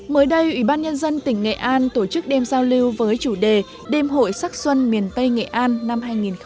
mới đây ủy ban nhân dân tỉnh nghệ an tổ chức đêm giao lưu với chủ đề đêm hội sắc xuân miền tây nghệ an năm hai nghìn một mươi chín